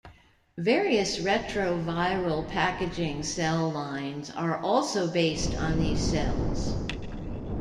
Various retroviral packaging cell lines are also based on these cells.